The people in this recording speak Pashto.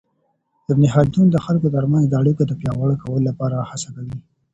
ابن خلدون د خلګو ترمنځ د اړیکو د پياوړي کولو لپاره هڅه کوي.